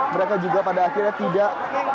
mereka juga pada akhirnya tidak